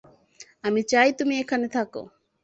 আমি চাই তুমি এখানে থাকো।